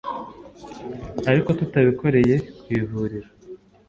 ariko tutabikoreye ku ivuriro